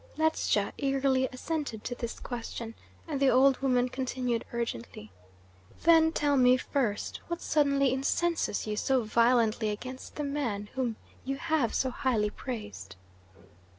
Ledscha eagerly assented to this question, and the old woman continued urgently: "Then tell me first what suddenly incenses you so violently against the man whom you have so highly praised?"